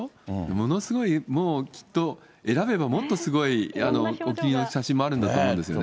ものすごい、もうきっと、選べばもっとすごいお気に入りの写真もあるんだと思うんですよね。